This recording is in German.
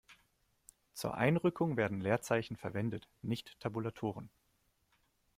Zur Einrückung werden Leerzeichen verwendet, nicht Tabulatoren.